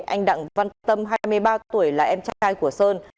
anh đặng văn tâm hai mươi ba tuổi là em trai của sơn